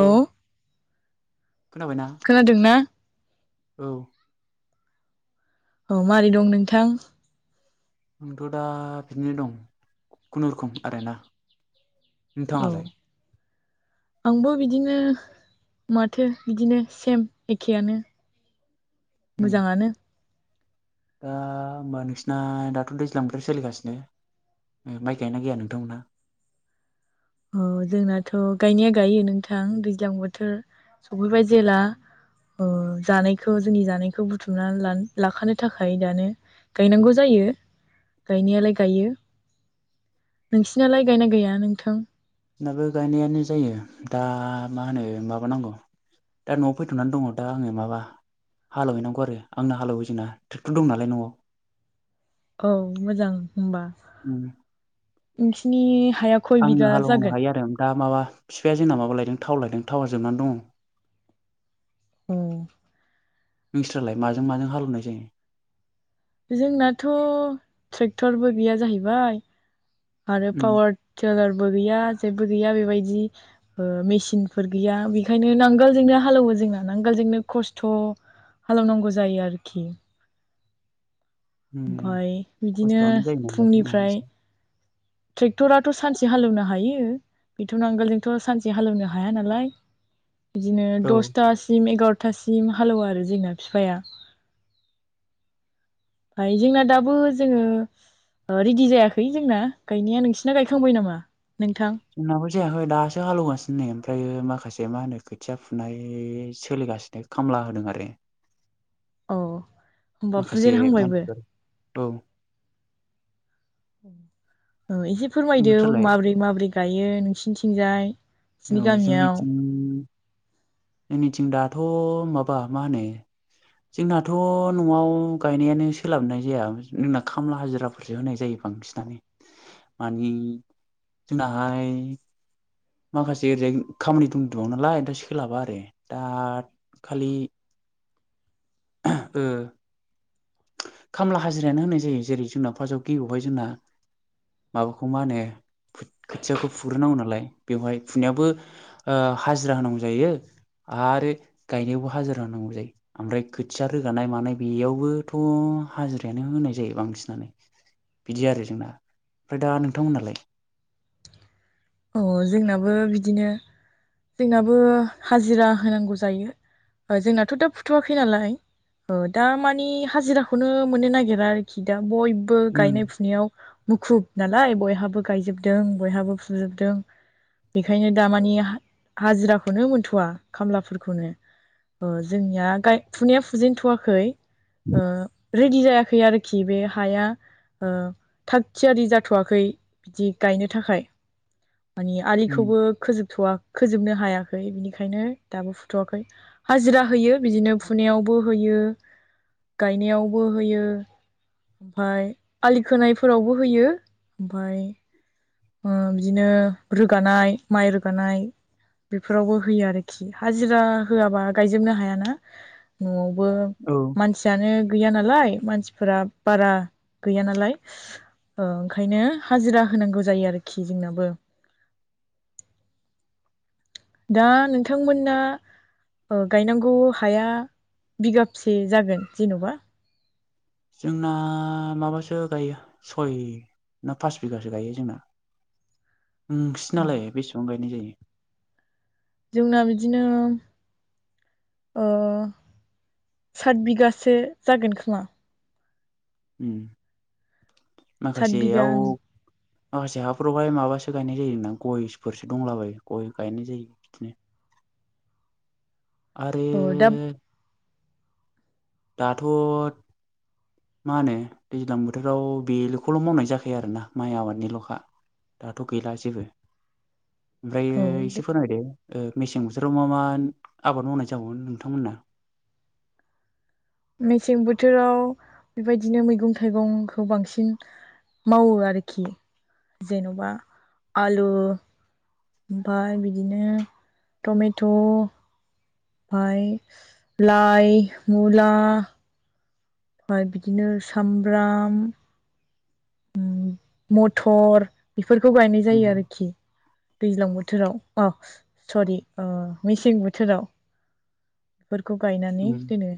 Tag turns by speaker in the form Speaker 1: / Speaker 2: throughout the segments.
Speaker 1: औ
Speaker 2: खोनाबायना
Speaker 1: खोनादों ना
Speaker 2: औ
Speaker 1: औ माबारै दं नोंथां
Speaker 2: आंथ' दा बिदिनो दं खुनुरुखुम आरोना।
Speaker 1: औ।
Speaker 2: नोंथाङालाय
Speaker 1: आंबो बिदिनो माथो बिदिनो सेम एखेआनो
Speaker 2: उम
Speaker 1: मोजाङानो
Speaker 2: दा होमबा नोंसिना दाथ' दैज्लां बोथोर सोलिगासिनो माइ गाय ना गाया नोंथांमोनहा
Speaker 1: अ जोंनाथ' गायनाया गायो नोंथां दैज्लां बोथोर सफैबाय जेला जानायखौ जोंनि जानायखौ बुथुमना लाखानो थाखाय दानो गायनांगौ जायो गायनायालाय गायो नोंसिनालाय गायना गैया नोंथां?
Speaker 2: दाबो गायनायानो जायो दा मा होनो माबानांगौ दा न'आव फैथ'नानै दङ दा आङो माबा हालेव हैनांगौ आरो आंनो हालेववो जोंना ट्रेक्टर दं नालाय न'आव
Speaker 1: औ मोजां होनबा हाया खय बिगा
Speaker 2: आंनो
Speaker 1: जागोन
Speaker 2: हालेवनो हायो आरो दा माबा फिफाया जोंना माबा लायदों थाव लायदों थाववा जोबनानै दङ
Speaker 1: औ।
Speaker 2: नोंस्रालाय माजों माजों हालेवनाय जायो?
Speaker 1: जोंनाथ' ट्रेक्टरबो गैया जाहैबाय आरो
Speaker 2: उम
Speaker 1: पाववार टेलारबो गैया जेबो गैया बेबायदि मेचिनफोर गोयया बेखायनो नांगोलजोंनो हालवो जोंना नांगोलजोंनो खस्थ' हालौनांगौ जायो आरोखि
Speaker 2: उम
Speaker 1: ओमफाय बिदिनो
Speaker 2: खस्थ'आनो जायो नालाय औ
Speaker 1: फुंनिफ्राय
Speaker 2: एसे
Speaker 1: ट्रेक्टराथ' सानसे हालेवनो हायो बेथ' नांगोलजोंथ' सानसे हालेवनो हाया नालाय। बिदिनो
Speaker 2: औ
Speaker 1: दसथासिम एगार'थासिम हालेवो आरो जोंना फिफाया फ्राय जोंना दाबो जोङो रेडि जायाखै जोंना गायनाया नोंसिना गायखांबाय नामा नोंथां
Speaker 2: जोंनाबो जायाखै दासो हालेवगासिनो नै ओमफ्रायो माखासे मा होनो खोथिया फुनाय सोलिगासिनो खामला होदों आरो।
Speaker 1: अ होमबा
Speaker 2: माखासे
Speaker 1: फुजेन हांबायबो?
Speaker 2: मानसिफोर औ
Speaker 1: औ एसे फोरमायदो
Speaker 2: नोंसोरलाय
Speaker 1: माबोरै माबोरै गायो नोंसिनिथिंजाय? नोंसिनि
Speaker 2: औ
Speaker 1: गामियाव
Speaker 2: जोंनिथिं जोंनिथिं दाथ' माबा मा होनो जोंनाथ' न'आव गायनायानो सोलाबनाय जाया जोंना खामला हाजिराफोरसो होनाय जायो बांसिन मानि जोंनाहाय माखासे एरै खामानि दुं दुं'नालाय दा सोलाबा आरो दा खालि ओ खामला हाजिरायानो होनाय जायो जेरै जोंना फार्स्टआव गिबियाव जोंना माबाखौ मा होनो खोथियाखौ फुग्रोनांगौ नालाय बेवहाय फुनायावबो हाजिरा होनांगौ जायो आरो गायनायावबो हाजिरा होनांगौ जायो ओमफ्राय खोथिया रोगानाय मानाय बेयावबो थ' हाजिरायानो होनाय जायो बांसिनानो बिदि आरो जोंना ओमफ्राय दा नोंथांमोननालाय
Speaker 1: अ जोंनाबो बिदिनो जोंनाबो हाजिरा होनांगौ जायो जोंनाथ' दा फुथ'वाखै नालाय दा मानि हाजिराखौनो मोननो नागिरा आरोखि दा बयबो बो
Speaker 2: उम
Speaker 1: गायनाय फुनायाव मुखुब नालाय बयहाबो गायजोबदों बयहाबो फुजोबदों। बेखायनो दा मानि हाजिराखौनो मोनथ'वा खामलाफोरखौनो ओ जोंनिया फुनाया फुजेनन्थ'वाखै ओ रेडि जायाखै आरोखि बे हाया थाग थियारि जाथ'वाखै बिदि गायनो थाखाय मानि आलिखौ खोजोबथ'वा खोजोबनो हायाखै बिनिखायनो दाबो फुथ'वाखै हाजिरा होयो बिदिनो फुनायावबो होयो गायनायावबो होयो ओमफाय आलि खोनायफोरावबो होयो ओमफाय बिदिनो रोगानाय माइ रोगानाय बेफोरावबो होयो आरोखि हाजिरा होआबा गायजोबनो हायाना न'आवबो
Speaker 2: औ
Speaker 1: मानसि जानो गैया नालाय मानसिफोरा बारा गैया नालाय ओंखायनो हाजिरा होनांगौ जायो आरोखि जोंनाबो दा नोंथांमोना गायनांगौ हाया बिगाबसे जागोन जेन'बा
Speaker 2: जोंना माबासो गायो सय ना पास बिगासो गायो जोंना नोंसानालाय बेसेबां गायनाय जायो
Speaker 1: जोंना बिदिनो ओ सात बिगासो जागोन खोमा सात बिगा
Speaker 2: माखासेयाव
Speaker 1: ओं
Speaker 2: माखासे हाफ्रावहाय माबासो गायनाय जायोना गयफोरसो दंलाबायो गय गायनाय जायो बिदिनो आरो
Speaker 1: औ दा
Speaker 2: दाथ' मा होनो दैज्लां बोथोराव बेल'खौल' मावनाय जाखायो आरोना माइ आबादनिल'खा दाथ' गैला जेबो ओमफ्राय
Speaker 1: औ
Speaker 2: एसे फोरमायदो मेसें बोथोराव मा मा आबाद मावनाय जाबावोन नोंथांमोना
Speaker 1: मेसें बोथोराव बेबायदिनो मैगं थाइगंखौ बांसिन मावो आरोखि जेन'बा आलु ओमफ्राय बिदिनो टमेट' ओमफ्राय लाइ मुला ओमफ्राय बिदिनो सामब्राम मथर बेफोरखौ गायनाय
Speaker 2: उम
Speaker 1: जायो आरोखि दैज्लां बोथोराव अ सरि मेसें बोथोराव बेफोरखौ गायनानै
Speaker 2: उम
Speaker 1: दोनो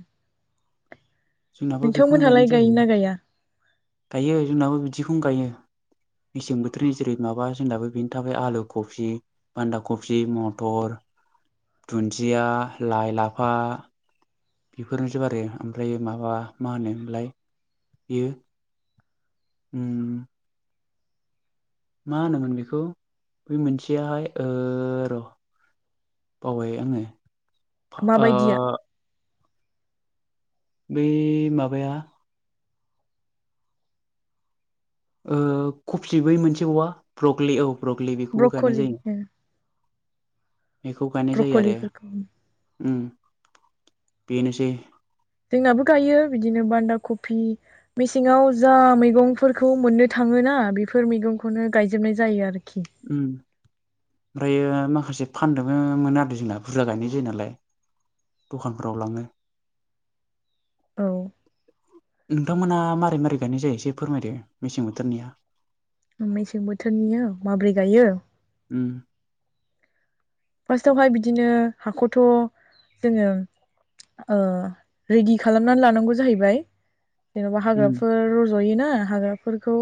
Speaker 2: जोंनाबो बेखौनो गायनाय
Speaker 1: नोंथांमोनहालाय
Speaker 2: जायो
Speaker 1: गायोना गाया
Speaker 2: गायो जोंनाबो बिदिखौनो गायो मेसें बोथोरनि जेरै माबा जोंनाबो बेनि थाखाय आलु कफि बान्दा खफि मथर दुन्दिया लाइ लाफा बेफोरनो जोब आरो ओमफ्राय माबा मा होनोलाय बेयो उम मा होनोमोन बेखौ बे मोनसेयाहाय र' बावबाय आङो ओ
Speaker 1: माबायदिया
Speaker 2: बै माबाया कफसि बै मोनसे औ ब्रकलि औ ब्रकलि बेखौबो गायनाय
Speaker 1: ब्रक'लि
Speaker 2: जायो
Speaker 1: ओ
Speaker 2: बेखौ गायनाय जायो आरो
Speaker 1: ब्रक'लिफोरखौ
Speaker 2: बेनोसै
Speaker 1: जोंनाबो गायो बिदिनो बान्दा कफि मेसेङाव जा मैगंफोरखौ मोननो थाङोना बेफोर मैगंखौनो गायजोबनाय जायो आरोखि
Speaker 2: उम ओमफ्रायो माखासे फानदोंबो मोनो आरो जोंना बुरजा गायनाय जायो नालाय। दखानफोराव लाङो।
Speaker 1: औ
Speaker 2: नोंथांमोना मारै मारै गायनाय जायो एसे फोरमायदो मेसें बोथोरनिया।
Speaker 1: मेसें बोथोरनियो माबोरै गायो
Speaker 2: उम
Speaker 1: फार्स्टावहाय बिदिनो हाखौथ' जोङो ओ रेडि खालामनानै लानांगौ जाहैबाय।। जेन'बा
Speaker 2: उम
Speaker 1: हाग्राफोर रज'योना हाग्रा बेफोरखौ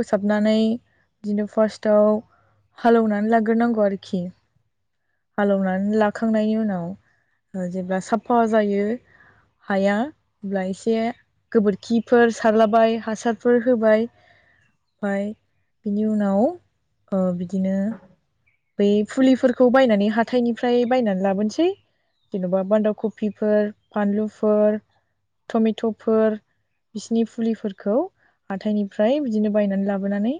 Speaker 1: फोसाबनानै बिदिनो फार्स्टआव हालौवनानै लाग्रोनांगौ आरोखि हालेवनानै लाखांनायनि उनाव जेब्ला साफा जायो हाया होनब्ला एसे गोबोरखिफोर सारलाबाय हासारफोर होबाय ओमफाय बिनि उनाव ओ बिदिनो बै फुलिफोरखौ बायनानै हाथायनिफ्राय बायनानै लाबोनोसै जेन'बा बान्दा कफिफोर फानलुफोर टमेट'फोर बिसिनि फुलिफोरखौ हाथाइनिफ्राय बिदिनो बायनानै लाबोनानै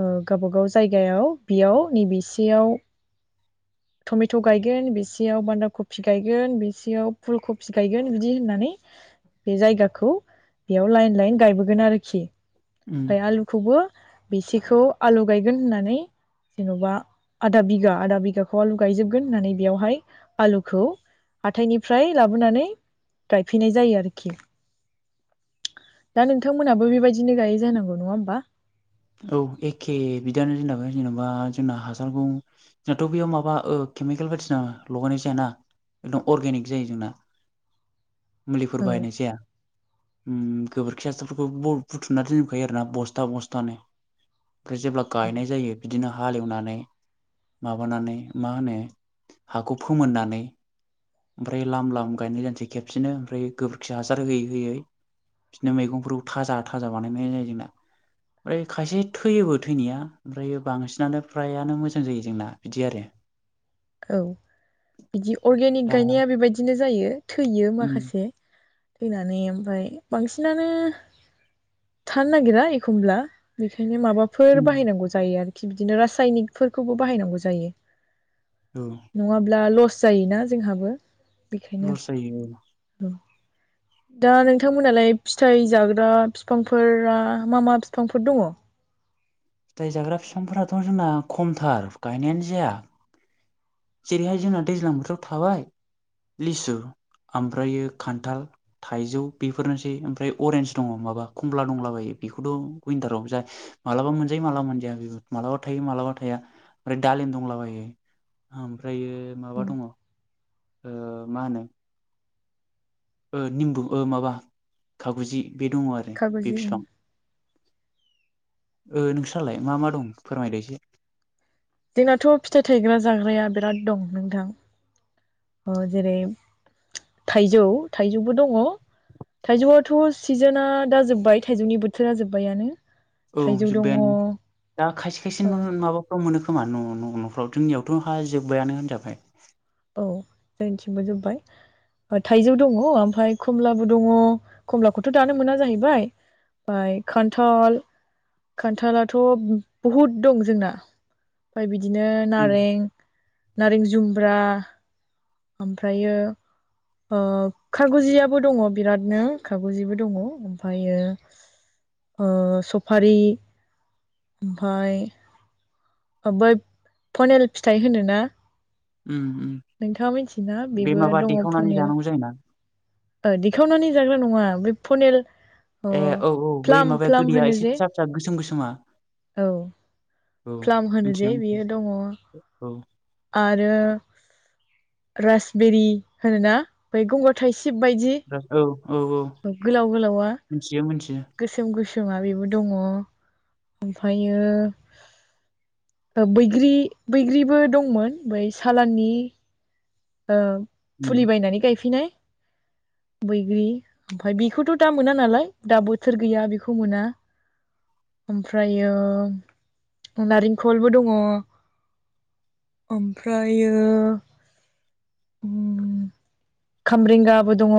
Speaker 1: ओ गावबा गाव जायगायाव बेयाव नैबेसेयाव टमेट' गायगोन बेसेयाव बान्दा कफि गायगोन बेसेयाव फुल कफि गायगोन बिदि होननानै बे जायगाखौ बेयाव लाइन लाइन गायबोगोन आरोखि
Speaker 2: उम
Speaker 1: ओमफ्राय आलु बेखौबो बेसेखौ आलु गायगोन होननानै जेन'बा आदा बिघा आदा बिघाखौ आलु गायजोबगोन होननानै बेयावहाय आलुखौ हाथायनिफ्राय लाबोनानै गायफैनाय जायो आरोखि। दा नोंथांमोनहाबो बेबायदिनो गायो जानांगौ नङा होमबा।
Speaker 2: औ एखे बिदियानो जेनेबा जेनेबा जोंना हासारखौ जोंनाथ' बेयाव माबा ओ केमिकेल बायदिसिना लगायनाय जायाना एकदम अरगेनिक जायो जोंना। मुलिफोर
Speaker 1: औ
Speaker 2: बाहायनाय जाया। ओम गोबोरखि हासारफोरखौ बुथुमना दोनजोबखायो आरोना बस्था बस्थानो। खौ जेब्ला गायनाय जायो बिदिनो हालेवनानै माबानानै मा होनो हाखौ फोमोननानै ओमफ्राय लाम लाम गायनाय जानोसै खेबसेनो ओमफ्राय गोबोरखि हासार होयै होयै बिदिनो मैगंफोरखौ थाजा थाजा बानायनाय जायो जोंना। ओमफ्राय खायसे थैयोबो थैनाया ओमफ्राययो बांसिनानो फ्रायानो मोजां जायो जोंना बिदि आरो
Speaker 1: औ बिदि अर्गेनिक
Speaker 2: दा
Speaker 1: गायनाया बेबायदिनो जायो थैयो
Speaker 2: उम
Speaker 1: माखासे। थैनानै ओमफ्राय बांसिनानो थानो नागिरा एखमब्ला बेखायनो माबा फोर
Speaker 2: उम
Speaker 1: बाहायनांगौ जायो आरोखि बिदिनो रासायनिकफोरखौबो बाहायनांगौ जायो।
Speaker 2: औ
Speaker 1: नङाब्ला लस जायोना जोंहाबो। बेखायनो
Speaker 2: लस जायो औ
Speaker 1: औ दा नोंथांमोनालाय फिथाइ जाग्रा बिफांफोरा मा मा बिफांफोर दङ?
Speaker 2: फिथाइ जाग्रा बिफांफोराथ' जोंना खमथार गायनायानो जाया। जेरैहाय जोंना दैज्लां बोथोराव थाबाय लिसु ओमफ्रायो खान्थाल थाइजौ बेफोरनोसै ओमफ्राय अरेन्ज दङ माबा कमला दंलाबायो बेखौथ' उनटारावबो जा मालाबा मोनजायो मालाबा मोनजाया बे मालाबा थायो मालाबा थाया ओमफ्राय दालिम दंलाबायो। ओमफ्रायो माबा दङ ओ मा होनो ओ निमबु ओ माबा खागुजि बे दङ आरो बे
Speaker 1: खागजि
Speaker 2: फिफां। ओ नोंस्रालाय मा मा दं फोरमायदो एसे?
Speaker 1: जोंनाथ' फिथाइ थायग्रा जाग्राया बिराद दं ओ नोंथां जेरै थाइजौ थाइजौबो दङ। थाइजौआथ' सिजोनआ दा जोबबाय थाइजौनि बोथोरा जोबबायानो।
Speaker 2: औ जोबबायानो दा खायसे खायसे माबा फ्राव मोनो खोमा न'-न'-न'फ्राव जोंनियावथ' हा जोबबायानो होनजाबाय।
Speaker 1: औ जोंनिथिंबो जोबबाय। ओ थाइजौ दङ ओमफाय खमलाबो दङ खमलाखौथ' दानो मोना जाहैबाय। फाय खान्थाल खान्थालाथ' बहुद दं जोंना। ओमफ्राय बिदिनो
Speaker 2: उम
Speaker 1: नारें नारें जुमब्रा ओमफ्रायो ओ खागुजियाबो दङ बिरादनो खागुजिबो दङ ओमफायो ओ सफारि ओमफाय ओ बै पनेल फिथाइ होनो ना
Speaker 2: उम। उम
Speaker 1: नोंथाङा मिनथियोना
Speaker 2: बे
Speaker 1: बेबो
Speaker 2: माबा
Speaker 1: दङ
Speaker 2: देखावनानै
Speaker 1: पनिल।
Speaker 2: जानांगौ जायोना
Speaker 1: ओ दिखावनानै जाग्रा नङा बे फनेल अ
Speaker 2: ए औ औ बै
Speaker 1: प्लाम
Speaker 2: माबाया
Speaker 1: प्लाम
Speaker 2: गोदैया
Speaker 1: होनो
Speaker 2: एसे
Speaker 1: जे
Speaker 2: फिसा फिसा गोसोम गोसोमा
Speaker 1: औ।
Speaker 2: औ
Speaker 1: फ्लाम होनो
Speaker 2: मिथियो
Speaker 1: जे
Speaker 2: मिथियो
Speaker 1: बियो दङ।
Speaker 2: औ
Speaker 1: आरो रासबेरि होनोना बै गंगार थाइसिब बायदि।
Speaker 2: औ औ औ मिनथियो मिनथियो।
Speaker 1: सोम गोसोमा बेबो दङ। ओमफायो ओ बैग्रि बैग्रिबो दंमोन बै सालाननि ओ फुलि
Speaker 2: उम
Speaker 1: बायनानै गायफैनाय। बैग्रि ओमफाय बेखौथ' दा मोना नालाय दा बोथोर गैया बेखौ मोना। ओमफ्रायो अ नारेंखलबो दङ। ओमफ्रायो उ खामरेंगाबो दङ।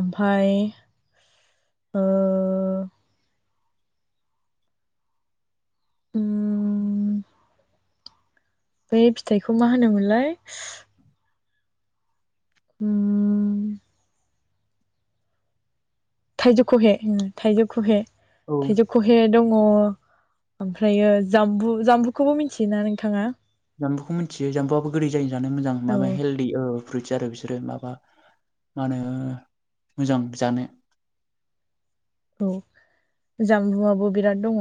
Speaker 1: ओमफाय ओ उम बै फिथाइखौ मा होनोमोनलाय उम थाइजौ खहे उ थाइजौ खहे
Speaker 2: औ
Speaker 1: थाइजौ खहे हे दङ ओमफ्रायो जाबबु जामबुखौबो मिनथियोना नोंथाङा?
Speaker 2: जामबुखौ मोनथियो जामबुआबो गोदै जायो जानो मोजां
Speaker 1: औ
Speaker 2: माबा हेल दि ओ फ्रुइदस आरो बिसोरो माबा मा होनो मोजां जानो।
Speaker 1: औ जामबुआबो बिराद दङ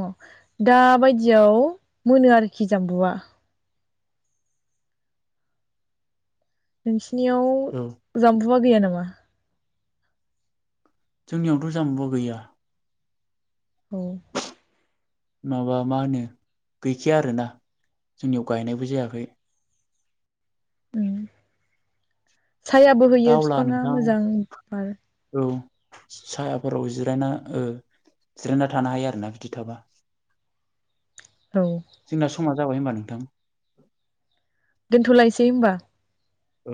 Speaker 1: दा बायदियाव मोनो आरोखि जामबुआ। नोंसिनियाव
Speaker 2: औ
Speaker 1: जामबुआ गैया नामा?
Speaker 2: जोंनियावथ' जामबुआ गैया।
Speaker 1: अ
Speaker 2: माबा मा होनो गैखाया आरोना जोंनियाव गायनायबो जायाखै।
Speaker 1: उम सायाबो
Speaker 2: दा
Speaker 1: होयो
Speaker 2: अब्ला
Speaker 1: बिफाङा
Speaker 2: नोंथां
Speaker 1: मोजां बार।
Speaker 2: औ सायाफोराव जिरायना ओ जिरायना थानो हायो आरोना बिदि थाबा।
Speaker 1: औ
Speaker 2: जोंना समा जाबाय होमबा नोंथां।
Speaker 1: दोनथ'लायसै होमबा।
Speaker 2: औ।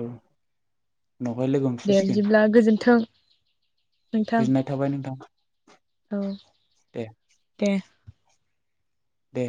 Speaker 2: उनावहाय लोगो
Speaker 1: दे
Speaker 2: हमफिनसिगोन
Speaker 1: बिदिब्ला गोजोन्थों नोंथां
Speaker 2: गोजोननाय थाबाय नोंथां।
Speaker 1: औ
Speaker 2: दे
Speaker 1: दे।
Speaker 2: दे।